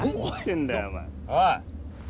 おい。